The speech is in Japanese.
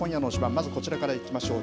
まずこちらからいきましょう。